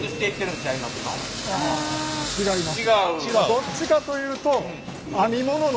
どっちかというとへえ。